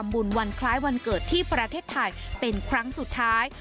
บุญวันคล้ายวันเกิดที่ประเทศไทยเป็นครั้งสุดท้าย